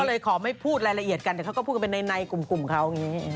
ก็เลยขอไม่พูดรายละเอียดกันแต่พูดเป็นในกลุ่มเขา